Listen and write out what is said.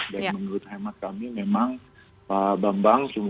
dan menurut hemat kami memang pak bambang